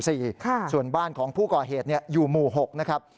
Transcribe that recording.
ส่วนบ้านของผู้ก่อเหตุอยู่หมู่๖นะครับ